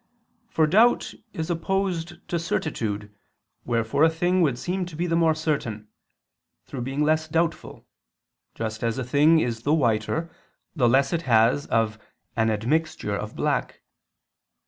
For doubt is opposed to certitude, wherefore a thing would seem to be the more certain, through being less doubtful, just as a thing is the whiter, the less it has of an admixture of black.